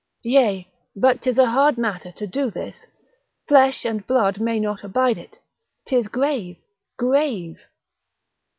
Yea, but 'tis a hard matter to do this, flesh and blood may not abide it; 'tis grave, grave!